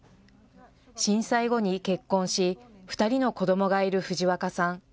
震災後に結婚し２人の子どもがいる藤若さん。